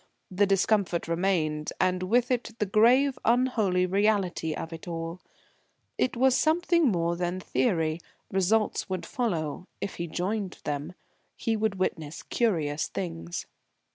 The discomfort remained; and with it the grave, unholy reality of it all. It was something more than theory. Results would follow if he joined them. He would witness curious things.